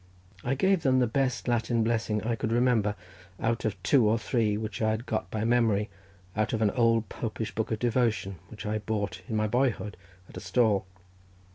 I gave them the best Latin blessing I could remember out of two or three which I had got by memory out of an old Popish book of devotion, which I bought in my boyhood at a stall.